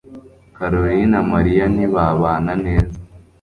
karolina Mariya ntibabana neza